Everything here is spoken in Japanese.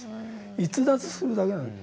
逸脱するだけなんです。